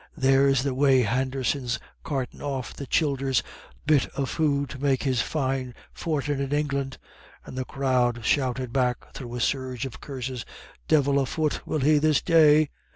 There's the way Henderson's cartin' off the childer's bit of food to make his fine fortin in England." And the crowd shouted back through a surge of curses: "Divil a fut will he this day."